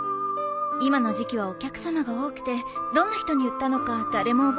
今の時期はお客さまが多くてどんな人に売ったのか誰も覚えてないの。